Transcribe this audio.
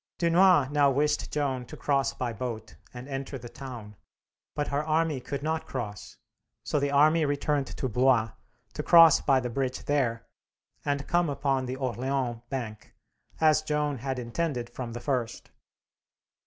Dunois now wished Joan to cross by boat and enter the town, but her army could not cross, so the army returned to Blois, to cross by the bridge there, and come upon the Orleans bank, as Joan had intended from the first.